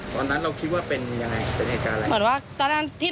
ตอนนั้นเราคิดว่าเป็นยังไงเป็นเหตุการณ์อะไร